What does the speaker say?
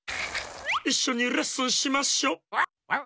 いっしょにレッスンしましょ。